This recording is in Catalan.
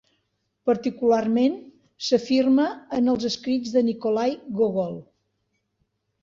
Particularment s'afirma en els escrits de Nikolai Gogol.